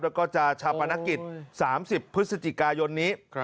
แล้วก็จะชาปนกิจ๓๐พฤศจิกายนนี้